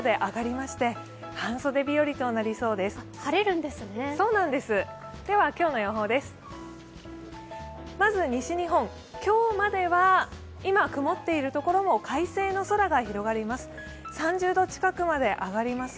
まず西日本、今日までは今、曇っているところも快晴の空が広がります。